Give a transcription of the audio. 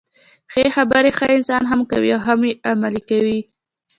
ښې خبري ښه خلک هم کوي او هم يې عملي کوي.